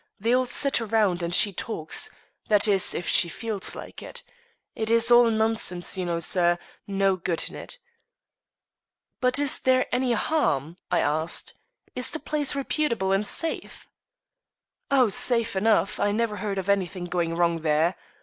They all sit round and she talks; that is, if she feels like it. It is all nonsense, you know, sir; no good in it." "But is there any harm?" I asked. "Is the place reputable and safe?" "Oh, safe enough; I never heard of anything going wrong there.